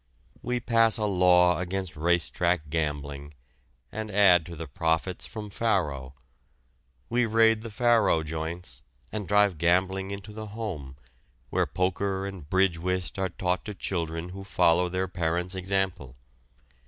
We pass a law against race track gambling and add to the profits from faro. We raid the faro joints, and drive gambling into the home, where poker and bridge whist are taught to children who follow their parents' example.